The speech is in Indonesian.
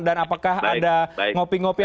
dan apakah ada ngopi ngopi